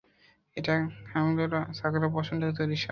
এটা কামিলারো ছাগলের পশম থেকে তৈরি শাল।